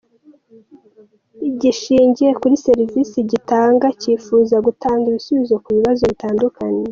Gishingiye kuri serivisi gitanga cyifuza gutanga ibisubizo ku bibazo bitandukanye.